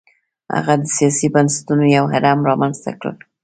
هغه د سیاسي بنسټونو یو هرم رامنځته کړل.